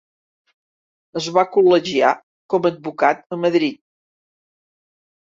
Es va col·legiar com a advocat a Madrid.